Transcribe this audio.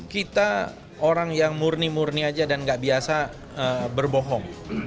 kita orang yang murni murni aja dan gak biasa berbohong